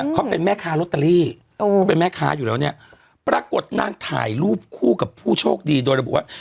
เขาเป็นแม่ค้าลอตเตอรี่เขาเป็นแม่ค้าอยู่แล้วเนี่ยปรากฏนางถ่ายรูปคู่กับผู้โชคดีโดยระบุว่า